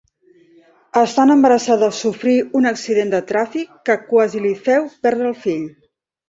Estant embarassada sofrí un accident de tràfic que quasi li féu perdre el fill.